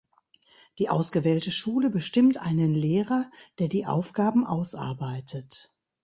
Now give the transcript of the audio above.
Die ausgewählte Schule bestimmt einen Lehrer, der die Aufgaben ausarbeitet.